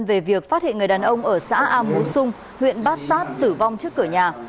về việc phát hiện người đàn ông ở xã a mú xung huyện bát sát tử vong trước cửa nhà